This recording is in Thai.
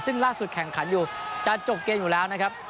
ซึ่งล่าสุดแข่งขันอยู่จะจบเกมอยู่แล้วนะครับ